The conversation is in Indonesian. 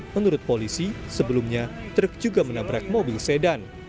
menurut polisi sebelumnya truk juga menabrak mobil sedan